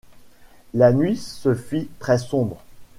La nuit se fit très sombre